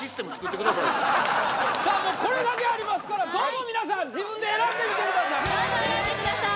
もうこれだけありますからどうぞ皆さん自分で選んでみてください